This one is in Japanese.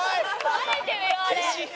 バレてるよあれ！